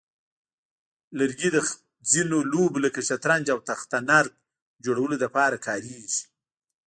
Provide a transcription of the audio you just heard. لرګي د ځینو لوبو لکه شطرنج او تخته نرد جوړولو لپاره کارېږي.